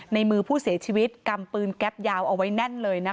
ในมือผู้เสียชีวิตกำปืนแก๊ปยาวเอาไว้แน่นเลยนะคะ